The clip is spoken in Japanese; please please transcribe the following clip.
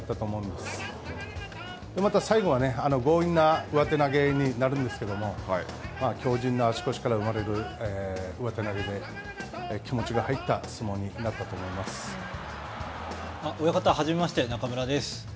また、最後は、強引な上手投げになるんですけども、強じんな足腰から生まれる上手投げで、気持ち親方、はじめまして、中村です。